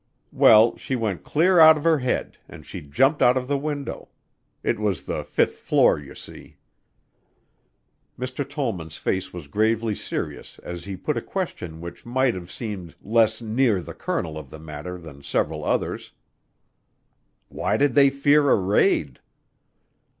Well, she went clear out of her head and she jumped out of the window. It was the fifth floor, you see." Mr. Tollman's face was gravely serious as he put a question which might have seemed less near the kernel of the matter than several others, "Why did they fear a raid?"